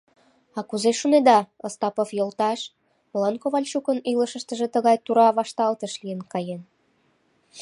— А кузе шонеда, Остапов йолташ, молан Ковальчукын илышыштыже тыгай тура вашталтыш лийын каен?